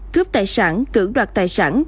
cướp tài sản cử đoạt tài sản